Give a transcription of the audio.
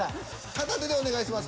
片手でお願いします。